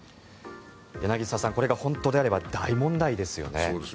柳澤さんこれが本当であれば大問題ですよね。